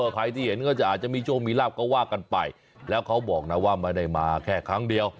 ใครที่เห็นก็จะอาจจะมีโชคมีลาบก็ว่ากันไปแล้วเขาบอกนะว่าไม่ได้มาแค่ครั้งเดียว